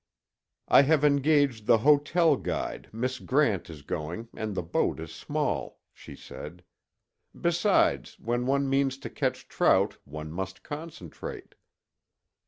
"I have engaged the hotel guide, Miss Grant is going, and the boat is small," she said. "Besides, when one means to catch trout one must concentrate."